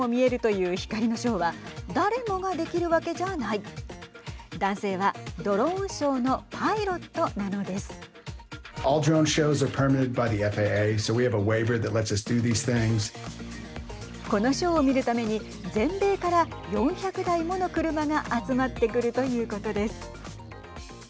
このショーを見るために全米から４００台もの車が集まってくるということです。